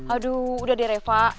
aduh udah deh reva